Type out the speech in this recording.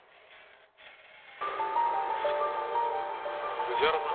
藤原さん？